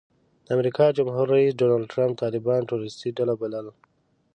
د امریکا جمهور رئیس ډانلډ ټرمپ طالبان ټروریسټي بلل.